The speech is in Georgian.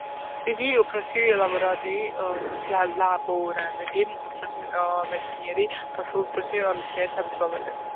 იყო უფროსი ლაბორანტი, უმცროსი მეცნიერი თანამშრომელი, უფროსი მეცნიერი თანამშრომელი.